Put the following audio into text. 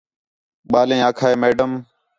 ٻالیں آکھا ہے میڈم